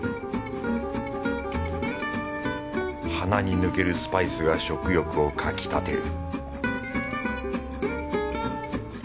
鼻に抜けるスパイスが食欲をかき立てる